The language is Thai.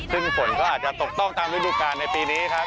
ซึ่งฝนก็อาจจะตกต้องตามฤดูการในปีนี้ครับ